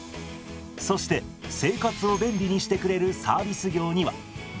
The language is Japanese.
そして生活を便利にしてくれるサービス業には美容室。